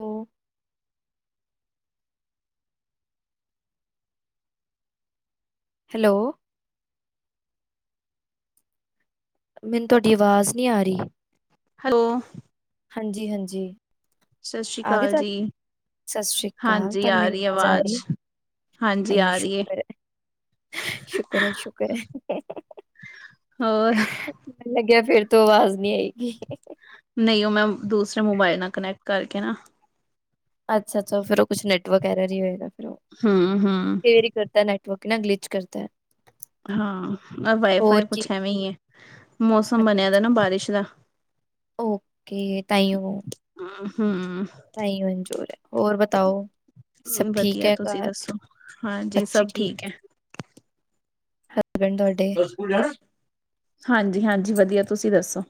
ਅੋ hello. ਮਨੂੰ ਤਵਾਡੀ ਅਵਾਜ਼ ਨੀ ਆ ਰਹੀ। ਹੈਲੋ। ਹਜੀ-ਹਜੀ। ਸਸ੍ਰੀ ਕਾਲ ਜੀ, ਸਤਿ ਸ਼੍ਰੀ ਅਕਾਲ, ਹਾਂਜੀ ਤੁਹਾਨੂੰ ਮੇਰੀ ਆਰੀ ਆਵਾਜ਼ ਆ ਅਵਾਜ। ਰਹੀ? ਹੈ? ਹਾਂਜੀ ਹਾਏ ਆਰੀ ਏ। ਸ਼ੁਕਰ ਐ, ਸ਼ੁਕਰ ੲੈ, ਸ਼ੁਕਰ ੲੈ। ਹੋਰ ਲੱਗੇਆ ਫੇਰ ਤੋਂ ਅਵਾਜ ਨੀ ਆਈ। ਨਈ ਓ ਮੈ ਦੂਸਰੇ ਮੋਬਾਇਲ ਨਾਲ ਕਨੈਕਟ ਕਾਰਕੇ ਨਾ ਅੱਛਾ-ਅੱਛਾ ਫੇਰ ਓ ਕੁਛ ਨੈਟਵਰਕ ਐਰਜ ਹੀ ਹੋਏਗਾ ਫੇਰ ਓ। ਹਮ-ਹਮ ਫੇਰੀ ਕਰਤਾ ਨੈਟਵਰਕ ਨਾ ਗਲੀਚ ਕਰਦਾ। ਹਾਂ, ਹੋਰ ਵਾਈਫਾਈ ਕੀ ਕੋਛ ਐੈਵੇਂ ਈ ੲੈ, ਮੌਸਮ ਬਣਿਆ ਦਾ ਨਾ ਬਾਰਿਸ਼ ਦਾ। ਓਕੇ, ਤਾਈੳ ਹ, ਹਮ [unintelligible] ਨਈ ਮਨਜ਼ੂਰ, ਓਰ ਬਤਾਓ? ਸਭ ਠੀਕ ਵਧੀਆ ਹੈ ਤੁਸੀਂ ਘਰ, ਦਸੋ, ਹਾਂਜੀ ਸਭ ਠੀਕ ੲੈ। ਹਸਬੈਂਡ ਤੁਹਾਡੇ ਕਾਲ ਸਕੂਲ ਜਾਣਾ, ਹਾਂਜੀ-ਹਾਂਜੀ ਵਧੀਆ ਤੁਸੀਂ ਦੱਸੋ?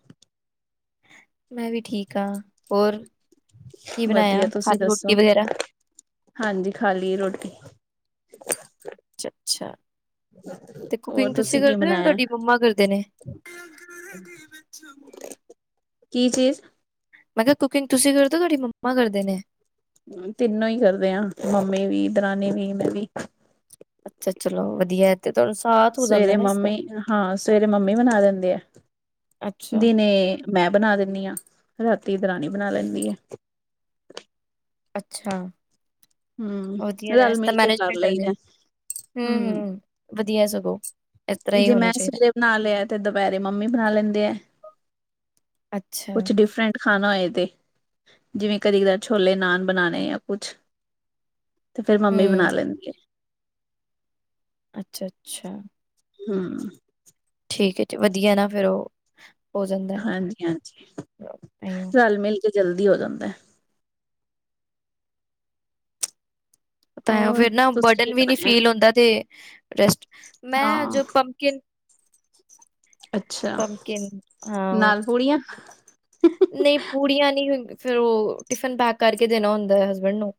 ਮੈਂ ਵੀ ਠੀਕ ਆ, ਓਰ, ਕੀ ਵਧੀਆ ਬਣਾਏਆ, ਖਾ ਤੁਸੀਂ ਲੀ ਦੱਸੋ ਰੋਟੀ ਵਗੈਰਾ? ਹਾਂਜੀ ਖਾ ਲੀ ਰੋਟੀ। ਚ, ਛਾ ਤੇ ਹੋਰ ਕੁਕਿੰਗ ਤੁਸੀਂ ਕੀ ਕਰਦੇ ਹੋ ਜਾਂ ਬਣਾਇਆ ਤੁਹਾਡੀ ਮੰਮਾ ਕਰਦੇ ਨੇ? [unintelligible] ਕੀ ਚੀਜ਼? ਮੈਂ ਕੇਆ ਕੁਕਿੰਗ ਤੁਸੀਂ ਕਰਦੇ, ਤੁਹਾਡੀ ਮੰਮਾ ਕਰਦੇ ਨੇ? [unintelligible] ਤਿਨੋ ਈ ਕਰਦੇ ਆਂ ਮਮੀ ਵੀ, ਦਰਾਨੀ ਵੀ, ਮੈਂ ਵੀ। ਅੱਛਾ ਚਲੋ ਵਧੀਐ ਤੇ ਤੁਵਾਨੂੰ ਸਾ ਸਵੇਰੇ ਮਮੀ ਹਾਂ ਸਵੇਰੇ ਮਮੀ ਬਨਾ ਦਿੰਦੇ ੲੈ, ਅੱਛਾ, ਦਿਣੇ ਮੈਂ ਬਣਾ ਦਿਣੀ ਆ ਰਾਤੀ ਦਰਾਣੀ ਬਣਾ ਲੈਂਦੀ ਅੇ। ਅੱਛਾ, ਹਮ ਵਧੀਆ ਰਲ ਰੈਸ, ਮਿਲ ਕੇ ਕਰ ਮੈਨੇਜਮੇਟ ਰੈਦੇ ੲੈ। ਲਈਦਾ ਹਮ ਹੁਮ-ਹੁਮ [unintelligible] ਵਧੀਆ ਸਗੋਂ। ਇਸ ਤਰ੍ਹਾਂ ਹੀ ਜੇ ਹੋਣਾ ਮੈਂ ਚਾਹੀਦਾ ਸਵੇਰੇ ਬਣਾ ਲੇਆ ਤੇ ਦਪੈਰੇ ਮੰਮੀ ਬਣਾ ਲੈਂਦੇ ਐ। ਅੱਛਾ। ਡਿਫਰੈਂਟ ਖਾਣਾ ਹੋਏ ਤੇ, ਜਿਵੇਂ ਕਦੀ-ਕਦਾਰ ਛੋਲੇ-ਨਾਨ ਬਣਾਣੇ ਯਾ ਕੁਛ। ਤੇ ਫੇਰ ਮੰਮੀ ਬਣਾ ਹੂੰ ਲੈਂਦੀ ਏ। ਅੱਛਾ, ਅੱਛਾ। ਹੂੰ। ਠੀਕ ਹੈ ਜੀ, ਵਧੀਆ ਨਾ ਫੇਰ ਓਹ ਹਾਂਜੀ ਹਾਂਜੀ, ਤਾਂਹੀਓ ਰਲ-ਮਿਲ ਕੇ ਜਲਦੀ ਹੋ ਜਾਂਦੈ। ਅਪੈਂ ਹੋਰ ਫੇਰ ਨਾ ਤੁਸੀਂ ਕੀ ਬਰਡਨ ਵੀ ਨੀ ਬਣਾਇਆ ਫੀਲ ਹੁੰਦਾ ਤੇ ਰੈਸਟ ਮੈਂ ਹਾਂ ਜੋ ਪੰਪਕਿਨ ਅੱਛਾ ਪੰਪਕਿਨ ਹਾਂ ਓਹ, ਨਾਲ ਪੂੜੀਆਂ ਨਹੀਂ। ਪੂੜੀਆਂ ਨੀ ਫੇਰ ਓਹ ਟਿਫਨ ਪੈਕ ਕਰਕੇ ਦੇਣਾ ਹੁੰਦੈ ਹਸਬੈਂਡ ਨੂੰ।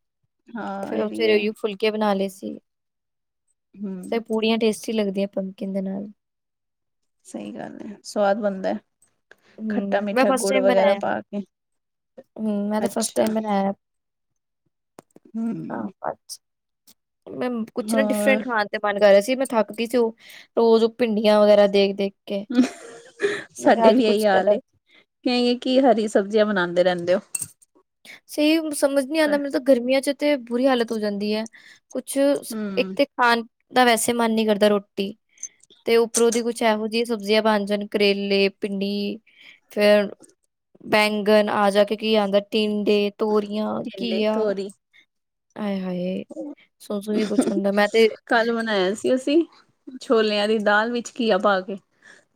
ਹਾਂ ਫੇਰ ਇਹ ਓ ਵੀ ਸਵੇਰੇ ਹੈ ਯੂ ਫੁਲਕੇ ਬਣਾ ਲਏ ਸੀ। ਹਮ ਫੇਰ ਪੂੜੀਆਂ ਟੇਸਟੀ ਲੱਗਦੀਐ ਪੰਪਕਿਨ ਦੇ ਨਾਲ। ਸਹੀ ਗੱਲ ਐ। ਸਵਾਦ ਬਣਦੈ। ਹੂੰ, ਮੈਂ ਖੱਟਾ-ਮੀਠਾ ਫਸਟ ਗੁੜ ਟਾਈਮ ਵਗੈਰਾ ਬਣਾਇਆ ਪਾ ਕੇ, ਹੂੰ, ਮੈਂ ਤਾਂ ਫਸਟ ਅੱਛਾ। ਟਾਈਮ ਬਣਾਇਆ ਹੂੰ। ਅੱਛ ਮੈ ਕੁਛ ਨਾ ਹੋਰ ਡਿਫਰੈਂਟ ਖਾਣ- ਤੇ ਮਨ ਕਰ ਰਿਆ ਸੀ। ਮੈ ਥੱਕ ਗਈ ਸੀ ਓਹ ਰੋਜ ਭਿੰਡੀਆਂ ਵਗੈਰਾ ਦੇਖ ਦੇ ਸਾਡੇ ਵੀ ਏਹੀ ਹਾਲ ਏ। ਅਲੱਗ ਕਏਂਗੇਂ ਕਿ ਹਰੀ ਸਬਜ਼ੀਆਂ ਬਣਾੰਦੇ ਰੈੰਦੇ ਓ। ਸਹੀ ਸਮਝ ਨੀ ਆਂਦਾ ਮੈਨ ਤੇ ਗਰਮੀਆਂ ਚ ਤੇ ਬੁਰੀ ਹਾਲਤ ਹੋ ਜਾਦੀ ਐ। ਕੁਛ ਇਕ ਹੂੰ ਤੇ ਖਾਣ ਦਾ ਵੈਸੇ ਮਨ ਨੀ ਕਰਦਾ ਰੋਟੀ। ਤੇ ਉਪਰੋ ਦੀ ਕੁਛ ਐਹੋ ਜਿਆ ਸਬਜ਼ੀਆਂ ਬਣ ਜਾਣ ਕਰੇਲੇ, ਭਿੰਡੀ ਫੇਰ ਬੈਗਨ ਆ-ਜਾ ਕੇ ਕੀ ਆਂਦੈ ਟੀੰਡ ਏ ਤੋਰੀਆਂ, ਟਿੰਡੇ ਘਿਆ। ਤੋਰੀ ਆਏ-ਹਾਏ, ਸੋਣ-ਸੋਣ ਕੇ ਕੁਛ ਹੁੰਦੈ। ਮੈ ਤੇ ਤੇ ਅਸੀ ਛੋਲਿਆਂ ਦੀ ਦਾਲ ਵਿਚ ਘੀਆ ਪਾ ਕੇ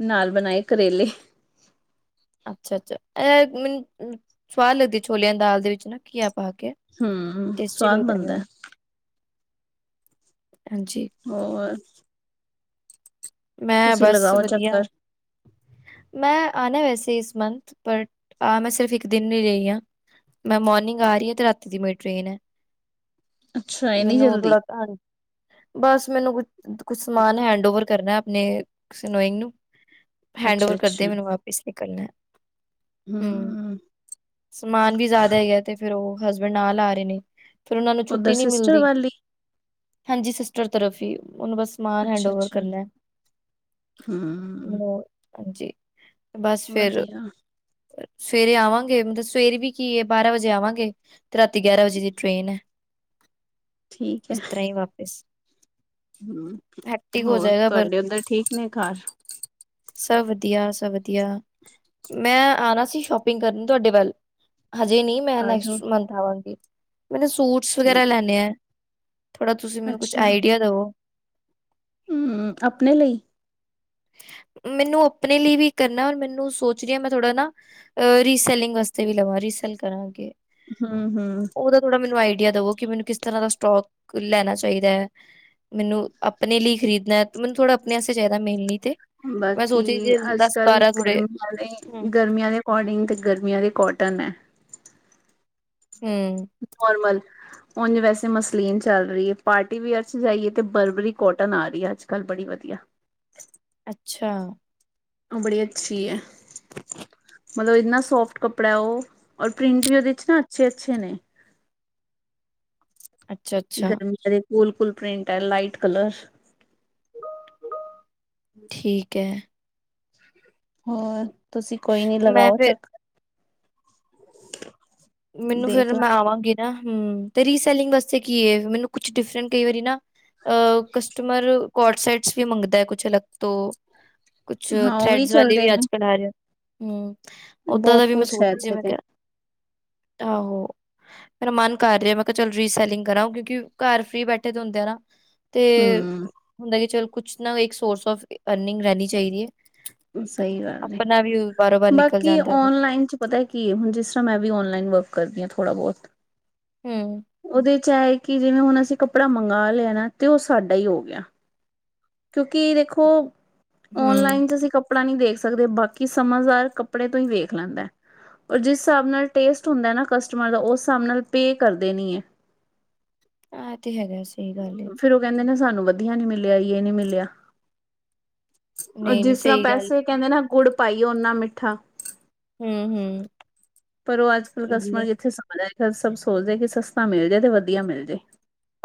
ਨਾਲ ਬਣਾਏ ਕਰੇਲੇ। ਅਛਾ ਅਛਾ, ਐਹ ਮੈਨ ਸਵਾਦ ਲਗਦੀ ਏ ਛੋਲਿਆਂ ਦੀ ਦਾਲ ਦੇ ਵਿਚ ਨਾ ਘਿਆ ਪਾ ਕੇ। ਹੂੰ, ਟੇਸਟੀ ਸਵਾਦ ਲੱਗਦਾ ਬਣਦੈ। ਮੈਨੂੰ ਹਾਂਜੀ। ਹੋਰ ਮੈ ਤੁਸੀਂ ਬਸ ਲਗਾਓ ਵਧੀਆ। ਚੱਕਰ ਮੈ ਆਣੈ ਵੈਸੇ ਇਸ ਮੰਥ। ਬਟ, ਆ ਮੈਂ ਸਿਰਫ਼ ਇਕ ਦਿਨ ਈ ਰਈ ਆਂ। ਮੈ ਮੋਰਨਿਗ ਆ ਰੀ ਆ ਤੇ ਰਾਤੀ ਦੀ ਮੇਰੀ ਟ੍ਰੇਨ ਐ। ਅੱਛਾ ਇਨੀ ਮੈਨੂੰ ਜਲਦੀ ਥੋੜਾ ਤੰਡ ਬਸ ਮੈਨੂੰ ਕੁ ਕੁਛ ਸਮਾਨ ਹੈਂਡ ਓਵਰ ਕਰਨੈ। ਅਪਣੇ ਕਿਸੀ ਨੋਇੰਗ ਨੂੰ, ਹੈਡ ਅੱਛਾ ਓਵਰ ਅੱਛਾ ਕਰਦੇਆ ਮੈਨੂੰ ਵਾਪਿਸ ਵੀ ਕਰਨੈ। ਹੂੰ, ਸਮਾਨ ਵੀ ਜੈਦਾ ਹੈਗੈ ਤੇ ਫੇਰ ਓਹ ਹਸਬੈਂਡ ਨਾਲ ਆ ਰੇ ਨੇ। ਫਿਰ ਉਹਨਾ ਨੂੰ ਉਧਰ ਛੁਟੀ ਨੀ ਸਿਸਟਰ ਮਿਲਦੀ। ਵਾਲੀ ਹਾਂਜੀ ਸਿਸਟਰ ਤਰਫ ਹੀ, ਓਹਨੂੰ ਬਸ ਸਮਾਨ ਹੈਂਡ ਅੱਛਾ ਓਵਰ ਅੱਛਾ ਕਰਨੈ। ਹੂੰ ਮੋਬ ਹਾਂਜੀ, ਬਸ ਫੇਰ ਵਧੀਆ ਸਵੇਰੇ ਆਵਾਂਗੇ, ਮਤਲਬ ਸਵੇਰ ਵੀ ਕੀ ਏ, ਬਾਰਾਂ ਵਜੇ ਆਵਾਂਗੇ। ਤੇ ਰਾਤੀ ਗਿਆਰਾਂ ਵਜੇ ਦੀ ਟ੍ਰੇਨ ਐ। ਠੀਕ ਹੈ ਇਸ ਤਰ੍ਹਾਂ ਈ ਵਾਪਿਸ। ਹੂੰ, ਹੈਕਟਿਕ ਹੋ ਹੋਰ ਜਾਏਗਾ ਪਰ ਤੁਐਡੇ ਓਧਰ ਠੀਕ ਨੇ ਘਰ? ਸਭ ਵਧੀਆ, ਸਭ ਵਧੀਆ। ਮੈ ਆਣਾ ਸੀ ਸ਼ੋਪਿੰਗ ਕਰਨ ਤੁਐਡੇ ਵਲ। ਹਜੇ ਨੀ, ਮੈ ਆ ਜਾਓ ਨੈਕਸਟ ਮੰਥ ਆਵਾਂਗੀ। ਮੈਨੂੰ ਸੂਟਸ ਵਗੈਰਾ ਠੀਕ ਹੈ ਲੈਣੇ ਐ। ਥੋੜਾ ਤੁਸੀ ਮੈਨੂੰ ਕੁਛ ਆਈਡੀਆ ਦਵੋ। ਹੂੰ, ਅਪਣੇ ਲਈ? ਮੈਨੂੰ ਆਪਣੇ ਲਈ ਵੀ ਕਰਨਾ, ਔਰ ਮੈਨੂੰ ਸੋਚ ਰਹੀ ਹਾ ਮੈ ਥੋੜਾ ਨਾ- ਅ ਰੀਸੈਲਿੰਗ ਵਾਸਤੇ ਵੀ ਲਵਾ, ਰੀਸੈਲ ਕਰਾਂ ਅਗੇ। ਹੂੰ- ਹੂੰ - ਥੋੜਾ ਮੈਨੂੰ ਆਈਡੀਆ ਦਵੋ। ਕਿ ਮੈਨੂੰ ਕਿਸ ਤਰ੍ਹਾਂ ਦਾ ਸਟੋਕ ਲੈਣਾ ਚਾਹੀਦਾ ਐ। ਮੈਨੂੰ ਆਪਣੇ ਲਈ ਖਰੀਦਣਾ, ਮੈਨੂੰ ਥੋੜ੍ਹਾ ਆਪਣੇ ਅਸਤੇ ਚਾਹੀਦਾ ਮੇਨਲੀ- ਤੇ। ਮੈਂ ਬਾਕੀ ਸੋਚ ਰਹੀ ਸੀ ਦਸ ਅੱਜ-ਕਲ ਬਾਰਾਂ ਥੋੜੇ ਗਰਮੀਆਂ ਹੂੰ ਵਾਲੇ ਗਰਮੀਆਂ- ਅੋਡਿੰਗ ਤਾਂ ਗਰਮੀਆਂ ਵਾਲੇ ਕੋਟਨ ਐ। ਹੂੰ। ਨੋਰਮਲ- ਉਝ ਵੈਸੇ ਮਸਲੀਨ ਚਲ ਰਹੀ ਹੈ। ਪਾਰਟੀ ਵਅਰ 'ਚ ਜਾਈਏ ਤੇ ਬਰਬਰੀ ਕੋਟਨ ਆ ਰਹੀ ਆ ਅੱਜ -ਕਲ ਬੜੀ ਵਧੀਆ- ਅੱਛਾ- ਉਹ ਬੜੀ ਅੱਛੀ ਐ। ਮਤਲਬ ਇਨਾ ਸੋਫਟ ਕੱਪੜਾ ਉਹ ਔਰ ਪ੍ਰਿੰਟ ਵੀ ਉਹਦੇ 'ਚ ਨਾ ਅਛੇ- ਅਛੇ ਨੇ- ਅੱਛਾ, ਅੱਛਾ ਗਰਮੀ ਦੇ ਕੂਲ- ਕੂਲ ਪ੍ਰਿੰਂਟ ਹੈ। ਲਾਈਟ ਕਲਰ- ਠੀਕ ਐ। ਹੋਰ? ਤੁਸੀ ਕੋਈ ਨੀ ਮੈਂ ਲਗਾਓ ਫਿਰ ਚਕ- ਮੈਨੂੰ ਫੇਰ ਦੇਖ ਲ ਮੈਂ ਆਵਾਂਗੀ ਨਾ, ਹਮ ਤੇ ਰੀਸੈਲਿੰਗ ਵਾਸਤੇ ਕੀ ਏ ਮੈਨੂੰ ਕੁਛ ਡਿਫਰੈਂਟ, ਕਈ ਵਾਰੀ ਨਾ ਅ ਕਸਟਮਰ ਕੋਟਸੇਟਸ ਵੀ ਮੰਗਦਾ, ਅ ਕੁਛ ਅਲਗ ਤੋਂ ਕੁਛ ਹਾਂ ਉਹ ਥਰੈਡਜ ਵਾਲੇ ਚੱਲਦੇ ਵੀ ਨੇ ਅੱਜਕਲ੍ਹ ਆ ਰਹੇ, ਹਮ ਓਦਾਂ ਦਾ ਬਹੁਤ ਵੀ ਮੈਂ ਕੁਛ ਸੋਚ ਹੈ ਇੱਥੇ ਜਿਵੇ ਤੇ ਕਿਹਾ ਆਹੋ। ਮੇਰਾ ਮਨ ਕਰ ਰਿਹਾ, ਮੈਂ ਕਿਹਾ ਚਲ ਰੀਸੈਲਿੰਗ ਕਰਾਂ ਕਿਉਂਕਿ ਘਰ ਫਰੀ ਬੈਠੇ ਤਾਂ ਹੁੰਦੇ ਆ ਨਾ ਤੇ ਹਮ ਹੁੰਦਾ ਕਿ ਚੱਲ, ਕੁਛ ਨਾ ਇੱਕ ਸੋਰਸ ਆਫ਼ ਅਰਨਿੰਗ ਰਹਿਣੀ ਚਾਹੀਦੀ ਐ। ਸਹੀ ਗੱਲ ਏ, ਨਿਕਲ ਬਾਕੀ ਜਾਂਦਾ ਵਾ। ਓਨਲਾਈਨ ਚ ਪਤਾ ਏ ਕੀ ਏ, ਹੁਣ ਜਿਸ ਤਰ੍ਹਾਂ ਮੈਂ ਵੀ ਓਨਲਾਈਨ ਵਰਕ ਕਰਦੀ ਹਾਂ ਥੋੜ੍ਹਾ ਬਹੁਤ ਹਮ। ਉਹਦੇ ਚ ਐ ਕਿ ਜਿਵੇਂ ਹੁਣ ਅਸੀਂ ਕੱਪੜਾ ਮੰਗਵਾ ਲਿਆ ਨਾ, ਤੇ ਉਹ ਸਾਡਾ ਹੀ ਹੋ ਗਿਆ ਕਿਉਂਕਿ ਦੇਖੋ ਹੂੰ, ਔਨਲਾਈਨ ਚ ਅਸੀਂ ਕੱਪ ਕੱਪੜਾ ਨੀ ਦੇਖ ਸਕਦੇ, ਬਾਕੀ ਸਮਝਦਾਰ ਕੱਪੜੇ ਤੋਂ ਹੀ ਵੇਖ ਲੈਂਦਾ ਪਰ, ਜਿਸ ਹਿਸਾਬ ਨਾਲ ਟੇਸਟ ਹੁੰਦਾ ਨਾ ਕਸਟਮਰ ਦਾ ਉਸ ਹਿਸਾਬ ਨਾਲ ਪੇ ਕਰਦੇ ਨੀ ਏ ਐ ਤੇ ਹੈਗਾ, ਸਹੀ ਗੱਲ ਏ। ਫਿਰ ਉਹ ਕਹਿੰਦੇ ਨੇ ਸਾਨੂੰ ਵਧੀਆ ਨੀ ਮਿਲਿਆ, ਯੇ ਨੀ ਮਿਲਿਆ ਉਹ ਨਹੀਂ-ਨਹੀਂ ਜਿਸ ਤਰ੍ਹਾਂ ਸਹੀ ਗੱਲ ਪੈਸੇ ਕਹਿੰਦੇ ਨਾ ਗੁੜ ਪਾਈਏ ਓਨਾ ਮਿੱਠਾ ਹੂੰ-ਹੂੰ। ਪਰ, ਉਹ ਅੱਜ ਕੱਲ੍ਹ ਕਸਟਮਰ ਲੇ ਕਿੱਥੇ ਸਮਦਾ ਫੇਰ ਸਭ ਸੋਚਦੇ ਕਿ ਸਸਤਾ ਮਿਲ ਜੇ ਤੇ ਵਧੀਆ ਮਿਲ ਜੇ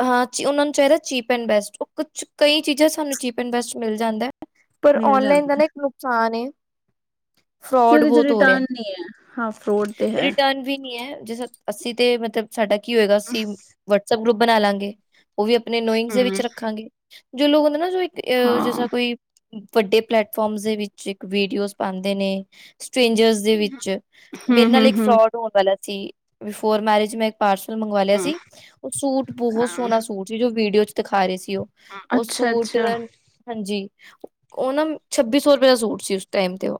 ਹਾਂ, ਚ ਉਹਨਾਂ ਨੂੰ ਚਾਹੀਦਾ ਚੀਪ ਐਂਡ ਬੈਸਟ ਕੁਛ ਕਈ ਚੀਜ਼ਾਂ ਸਾਨੂੰ ਚੀਪ ਐਂਡ ਬੈਸਟ ਮਿਲ ਜਾਂਦਾ ਪਰ ਮਿਲ ਔਨਲਾਈਨ ਦਾ ਜਾਂਦਾ ਨਾ ਇੱਕ ਨੁਕਸਾਨ ਏ ਕਿ ਫਰੋਡ ਉਹਦੇ ਚ ਬਹੁਤ ਹੋ ਰਿਹਾ, ਰਿਟਰਨ ਨੀ ਹੈ ਹਾਂ ਫਰੋਡ ਤੇ ਹੈ। ਰਿਟਰਨ ਵੀ ਨੀ ਐ, ਜ ਅਸੀਂ ਤੇ ਮਤਲਬ ਸਾਡਾ ਕੀ ਹੋਏਗਾ, ਅਸੀਂ ਵਟਸਪ ਗਰੁੱਪ ਬਣਾਲਾਗੇ ਉਹ ਵੀ ਆਪਣੇ ਨੋਇੰਗ ਦੇ ਹਮ ਵਿੱਚ ਰੱਖਾਂਗੇ, ਜੋ ਲੋਕ ਹੁੰਦੇ ਨਾ ਜੋ ਇੱਕ ਹਾਂ ਜੇਸਾ ਕੋਈ ਵੱਡੇ ਪਲੇਟਫਾਰਮਸ ਦੇ ਵਿੱਚ ਇੱਕ ਵੀਡੀਓਜ਼ ਪਾਉਦੇ ਨੇ, ਸਟ੍ਰੇਜਰ ਦੇ ਵਿੱਚ ਹਮ ਮੇਰੇ ਨਾਲ ਹਮ ਇੱਕ ਹਮ ਫਰੋਡ ਹੋਣ ਵਾਲਾ ਸੀ, ਬਿਫੋਰ ਮੈਰਿਜ ਮੈਂ ਪਾਰਸਲ ਮੰਗਵਾ ਲਿਆ ਹਮ ਸੀ, ਉਹ ਸੂਟ ਬਹੁਤ ਹਾਂ ਸੋਹਣਾ ਸੂਟ ਸੀ ਜੋ ਵੀਡੀਓ ਚ ਦਿਖਾ ਰਹੇ ਸੀ ਉਹ ਅੱਛਾ ਸੂਟ ਅੱਛਾ। ਹਾਂਜੀ, ਉਹ ਨਾ ਛੱਬੀ ਸੌ ਰੁਪਏ ਦਾ ਸੂਟ ਸੀ ਉਸ ਟਾਈਮ ਤੇ ਉਹ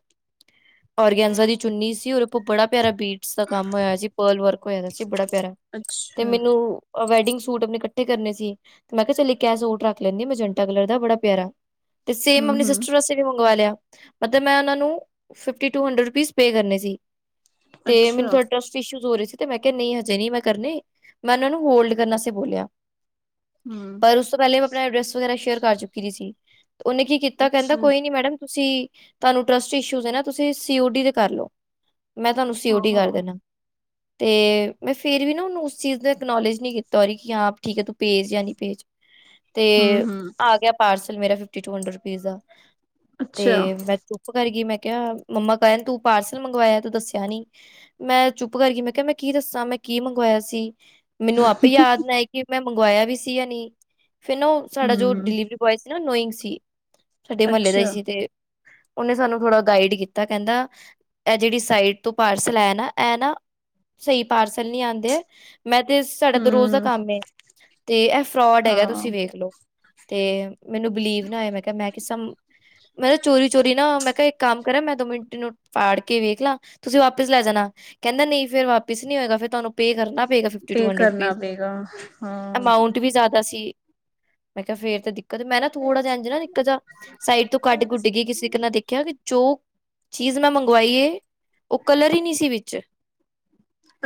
ਔਰਗੈਨਜ਼ਾ ਦੀ ਚੁੰਨੀ ਸੀ ਰ ਬੜਾ ਪਿਆਰਾ ਬੀਟਸ ਦਾ ਕੰਮ ਹੋਇਆ ਸੀ ਪਰਲ ਵਰਕ ਹੋਇਆ ਦਾ ਸੀ ਬੜਾ ਪਿਆਰਾ। ਤੇ ਅੱਛਾ ਮੈਨੂੰ ਅ ਵੈਡਿੰਗ ਸ ਸੂਟ ਅਪਨੇ ਕੱਠੇ ਕਰਨੇ ਸੀ, ਤੇ ਮੈਂ ਕਿਆ ਚੱਲ ਇੱਕ ਐ ਸੂਟ ਰੱਖ ਲੈਂਨੀ ਆ ਮੈਂਜੰਟਾ ਕਲਰ ਦਾ ਬੜਾ ਪਿਆਰਾ ਤੇ ਸੇਮ ਹਮ ਅਪਨੀ ਹਮ ਸਿਸਟਰ ਵਸ ਤੇ ਵੀ ਮੰਗਵਾ ਲਿਆ ਅਤੇ ਮੈਂ ਉਨਾਂ ਨੂੰ fifty two hundred rupees pay ਕਰਨੇ ਸੀ। ਤੇ ਮੈਨੂੰ ਅੱਛਾ ਥੋੜਾ ਟਰ ਟ ਇਸ਼ੂਸ ਹੋ ਰੇ ਸੀ ਤੇ ਮੈਂ ਕਿਆ ਨਈ ਹਜੇ ਨੀ ਮੈਂ ਕਰਨੇ, ਮੈਂ ਉਨਾ ਨੂੰ ਹੋਲਡ ਕਰਨ ਅਸਤੇ ਬੋਲਿਆ। ਹਮ। ਪਰ ਉਸ ਤੋਂ ਪੈਲੇ ਮੈਂ ਅਪਣਾ ਐਡਰੈਸ ਵਗੈਰਾ ਸ਼ੇਅਰ ਕਰ ਚੁੱਕੀ ਦੀ ਸੀ। ਤੇ ਉਨੇ ਕੀ ਕੀਤਾ ਕੈਂਦਾ ਅੱਛਾ ਕੋਈ ਨੀ ਮੈਡਮ ਤੁਸੀਂ ਤੁਆਨੂੰ ਟਰਸਟ ਇਸ਼ੂਸ ਐ ਨਾ, ਤੁਸੀਂ ਸੀ ਓ ਡੀ ਤੇ ਕਰਲੋ। ਮੈਂ ਤੁਆਨੂੰ ਸੀ ਓ ਡੀ ਓਹੋ ਕਰ ਦੇਨਾ, ਤੇ ਮੈਂ ਫੇਰ ਵੀ ਨਾ ਉਨੂੰ ਉਸ ਚੀਜ਼ ਦਾ ਐਕਨੋਲੇਜ ਨੀ ਕੀ ਤੋਰੀ ਕਿ ਹਾਂ ਠੀਕ ਐ ਤੂੰ ਭੇਜ ਜਾਂ ਨੀ ਭੇਜ। ਤੇ ਹਮ ਹਮ ਆ ਗਿਆ ਪਾਰਸਲ ਮੇਰਾ ਫਿਫਟੀ ਟੂ ਹਨਡਰਡ ਰੂਪੀਜ਼ ਦਾ, ਅੱਛਾ ਤੇ ਮੈਂ ਚੁਪ ਕਰ ਗਈ, ਮੈਂ ਕਿਆ ਮੰਮਾ ਕੈਹਨ ਤੂੰ ਪਾਰਸਲ ਮੰਗਵਾਇਆ ਤੂੰ ਦੱਸਿਆ ਨੀ। ਮੈਂ ਚੁੱਪ ਕਰ ਗਈ ਮੈਂ ਕਿਆ ਮੈਂ ਕੀ ਦੱਸਾਂ ਮੈਂ ਕੀ ਮੰਗਵਾਇਆ ਸੀ। ਮੈਨੂੰ ਆਪੇ ਯਾਦ ਨਾ ਮੈਂ ਮੰਗਵਾਇਆ ਵੀ ਸੀ ਯਾਂ ਨੀ। ਫਿਰ ਨਾ ਓ ਸਾਡਾ ਜੋ ਹਮ। ਡਿਲੀਵਰੀ ਬੋਆਏ ਸੀ ਨਾ ਨੋਇੰਗ ਸੀ ਸਾਡੇ ਮਹੱਲੇ ਦਾ ਈ ਅੱਛਾ ਸੀ ਤੇ ਉਨੇ ਸਾਨੂੰ ਥੋੜਾ ਗਾਈਡ ਕੀਤਾ ਕੈਂਦਾ ਐ ਜੇੜੀ ਸਾਈਟ ਤੋਂ ਪਾਰਸਲ ਆਇਆ ਨਾ, ਐ ਨਾ ਸਈ ਪਾਰਸਲ ਨੀ ਆਂਦੇ। ਮੈਂ ਤੇ ਰੋਜ਼ ਦਾ ਹਮ ਕੰਮ ਏ, ਤੇ ਐ ਫਰੋਡ ਹੈਗਾ ਹਾਂ ਤੁਸੀਂ ਵੇਖ ਲੋ। ਤੇ ਮੈਨੂੰ ਬਿਲੀਵ ਨਾ ਹੋਇਆ ਮੈਂ ਕਿਆ ਮੈ ਕਿਸਮ, ਮੈ ਨਾ ਚੋਰੀ- ਚੋਰੀ ਨਾ ਮੈਂ ਕਿਆ ਇੱਕ ਕੰਮ ਕਰਾ ਮੈਂ ਦੋ ਮਿੰਟ ਐਨੂੰ ਫਾੜ ਕੇ ਵੇਖ ਲਾ, ਤੁਸੀਂ ਵਾਪਿਸ ਲੈ ਜਾਨਾ ਕੈਂਦਾ ਨਈ ਫੇਰ ਵਾਪਿਸ ਨੀ ਹੋਏਗਾ ਫੇਰ ਤੁਆਨੂੰ ਪੇ ਕਰਨਾ ਪੇਗਾ। ਪੇ ਕਰਨਾ ਪੇਗਾ। ਅਮਾਉਂਟ ਵੀ ਜਾਦਾ ਸੀ, ਮੈਂ ਕਿਆ ਫੇਰ ਤਾਂ ਦਿਕ ਕਤ ਏ। ਮੈਂ ਨਾ ਥੋੜ੍ਹਾ ਜਿਆ ਐਂਜ ਨਾ ਨਿੱਕਾ ਜਾ ਸਾਈਡ ਤੋਂ ਕੱਡ-ਕੁਡ ਕੇ ਕਿਸੇ ਤੀਂਕੇ ਨਾਲ ਦੇਖਿਆ ਕਿ ਜੋ ਚੀਜ਼ ਮੈਂ ਮੰਗਵਾਈ ਏ, ਓ ਕਲਰ ਈ ਨੀ ਸੀ ਵਿੱਚ।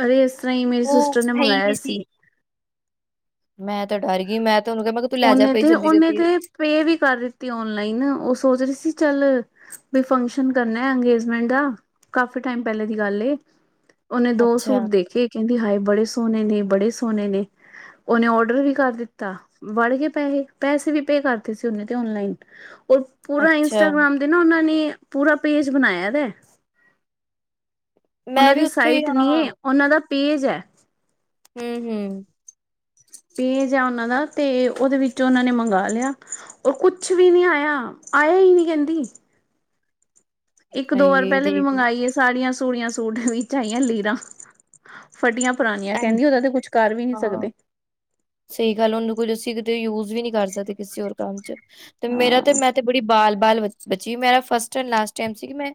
ਅਰੇ ਇਸ ਤਰ੍ਹਾਂ ਈ ਮੇਰੀ ਉਹ ਸਿਸਟਰ ਨੇ ਹੈ ਹੀ ਮੰਗਾਇਆ ਨਹੀਂ ਸੀ। ਮੈਂ ਤਾਂ ਡਰ ਗਈ, ਮੈਂ ਤੇ ਉਨੂੰ ਕਿਆ ਮੈਂ ਤੂੰ ਲੈ ਜਾ ਓਨੇ ਪਈ ਤੇ, ਓਨੇ ਤੇ ਜਲਦੀ-ਜਲਦੀ ਪੇ ਵੀ ਕਰ ਦਿੱਤੀ ਓਨਲਾਈਨ ਓ ਸੋਚ ਰੀ ਸੀ ਚੱਲ ਬਈ ਫੰਕਸ਼ਨ ਕਰਨੈ ਅੰਗੇਜਮੈਂਟ ਦਾ ਕਾਫੀ ਟਾਈਮ ਪੈਲੇ ਦੀ ਗੱਲ ਏ। ਓਨੇ ਦੋ ਸੂਟ ਅੱਛਾ, ਦੇਖੇ ਕੈਂਦੀ ਹਾਏ ਬੜੇ ਸੋਨੇ ਨੇ-ਬੜੇ ਸੋਨੇ ਨੇ, ਓਨੇ ਔਡਰ ਵੀ ਕਰ ਦਿੱਤਾ। ਵੜ ਗੇ ਪੈਹੇ, ਪੈਸੇ ਵੀ ਪੇ ਕਰਤੇ ਸੀ ਉਨੇ ਤੇ ਓਨਲਾਈਨ। ਔਰ ਪੂਰਾ ਅੱਛਾ ਇੰਸਟਾਗ੍ਰਾਮ ਤੇ ਨਾ ਉਨਾਂ ਨੇ ਪੂਰਾ ਪੇਜ ਬਣਾਇਆ ਦੈ। ਮੈਂ ਓਨਾਂ ਵੀ ਦੀ ਉੱਥੋਂ ਹੀ ਸਾਈਟ ਨੀ ਹਾਂ ਏ ਓਨਾਂ ਦਾ ਪੇਜ ਐ। ਹੂੰ- ਹੂੰ। ਪੇਜ ਆ ਓਨਾਂ ਦਾ, ਤੇ ਓਦੇ ਵਿੱਚ ਓਨਾਂ ਨੇ ਮੰਗਾ ਲਿਆ। ਓ ਕੁਛ ਵੀ ਨੀ ਆਇਆ, ਆਇਆ ਈ ਨੀ ਕੈਂਦੀ। ਇੱਕ ਦੋ ਵਾਰ ਹਾਏ ਪੈਲੇ ਵੀ ਦੇਖ ਮੰਗਾਈ ਏ ਸਾੜੀਆਂ-ਸੂੜੀਆਂ, ਸੂਟ ਵਿੱਚ ਆਈਐ ਲੀਰਾਂ ਫਟੀਆਂ- ਪੁਰਾਣੀਆਂ, ਐਂਜ ਕੈਂਦੀ ਉਦਾ ਤੇ ਕੁਛ ਕਰ ਵੀ ਨੀ ਸਕਦੇ। ਸਈ ਗੱਲ, ਉਨੂੰ ਕੁੱਝ ਅਸੀਂ ਕਿਤੇ ਯੂਜ ਵੀ ਨੀ ਕਰ ਸਕਦੇ ਕਿਸੇ ਹੋਰ ਕੰਮ ਚ। ਤੇ ਮੇਰਾ ਹਾਂ ਤੇ, ਮੈਂ ਤੇ ਬੜੀ ਬਾਲ - ਬਾਲ ਬ - ਬਚੀ, ਮੇਰਾ ਫਸਟ ਐਂਡ ਲਾਸਟ ਟਾਈਮ ਸੀ ਕਿ ਮੈਂ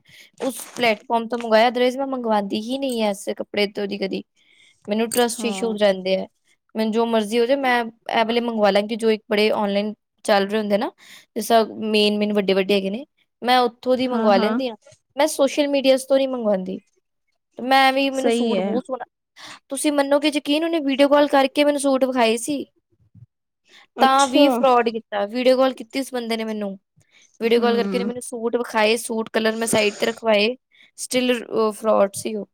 ਉਸ ਪਲੈਟਫੋਰਮ ਤੋਂ ਮੰਗਾਇਆ। ਅਦਰਵਾਈਸ ਮੈਂ ਮੰਗਵਾਂਦੀ ਹੀ ਨਈ ਐਸੇ ਕੱਪੜੇ ਤੋਂ ਕਦੀ-ਕਦੀ। ਮੈਨੂੰ ਟਰਸਟ ਇਸ਼ੂ ਹਾਂ ਰੈਂਦੇ ਐ। ਮੈਨੂੰ ਜੋ ਮਰਜ਼ੀ ਹੋ ਜੇ ਮੈਂ ਇਹ ਵਲੇ ਮੰਗਵਾ ਲਾਂਗੀ ਜੋ ਇੱਕ ਬੜੇ ਔਨਲਾਈਨ ਚੱਲ ਰਹੇ ਹੁੰਦੇ ਨਾ ਜਿਸ ਤ ਮੇਨ ਮੇਨ ਵੱਡੇ ਵੱਡੇ ਹੈਗੇ ਨੇ ਮੈਂ ਉੱਥੋਂ ਦੀ ਹਾਂ ਮੰਗਵਾ ਹਾਂ ਲੈਂਦੀ ਆਂ, ਮੈਂ ਸੋਸ਼ਲ ਮੀਡੀਆਜ਼ ਤੋਂ ਨੀ ਮੰਗਵਾਉਂਦੀ। ਤੇ ਮੈਂ ਵੀ ਮੈਨੂੰ ਸਹੀ ਸੂਟ ਹੈ ਬਹੁਤ ਸੋਹਣਾ, ਤੁਸੀਂ ਮੰਨੋਗੇ ਯਕੀਨ ਉਹਨੇ ਵੀਡੀਓ ਕਾਲ ਕਰਕੇ ਮੈਨੂੰ ਸੂਟ। ਵਿਖਾਈ ਸੀ ਤਾਂ ਵੀ ਅੱਛਾ ਫਰੋਡ ਕੀਤਾ, ਵੀਡੀਓ ਕਾਲ ਕੀਤੀ ਉਸ ਬੰਦੇ ਨੇ ਮੈਨੂੰ ਵੀਡੀਓ ਕਾਲ ਕਰਕੇ ਹਮ ਮੈਨੂੰ ਸੂਟ ਵਿਖਾਏ ਸੂਟ ਕਲਰ ਮੈਂ ਸਾਈਡ ਤੇ ਰਖਵਾਏ, ਸਟਿਲ ਫਰੋਡ ਸੀ ਉਹ।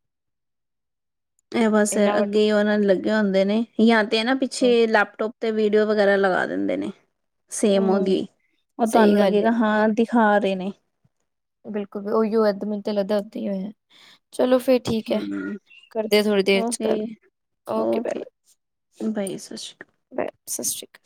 ਇਹ ਬਸ ਇੰਨਾ ਵੱਡਾ ਅੱਗੇ ਉਹਨਾਂ ਲੱਗੇ ਹੁੰਦੇ ਨੇ, ਜਾਂ ਤੇ ਹੈ ਨਾ ਪਿੱਛੇ ਲੈਪਟੋਪ। ਤੇ ਵੀਡੀਓ ਵਗੈਰਾ ਲਗਾ ਦਿੰਦੇ ਨੇ, ਸੇਮ ਹੂੰ ਉਹਦੀਈ ਉਹ ਸਹੀ ਤੁਹਾਨੂੰ ਗੱਲ ਹੈ। ਲੱਗੇਗਾ ਹਾਂ। ਦਿਖਾ ਰਹੇ ਨੇ। ਬਿਲਕੁਲ ਵੀ ਉਹੀਓ ਇਏਦ ਮਨ ਤੇ ਲੱਗਦਾ ਉੱਥੇ ਹੀ ਹੋਇਆ ਚਲੋ ਫੇਰ। ਠੀਕ ਹੈ, ਹਮ ਕਰਦੇ ਆਂ ਥੋੜ੍ਹੀ ਦੇਰ ਚ ਓਕੇ ਗੱਲ, okay bye bye. Bye bye ਸਤਿ ਸ਼੍ਰੀ ਅਕਾਲ। ਬਾਏ ਸਤਿ ਸ਼੍ਰੀ ਅਕਾਲ।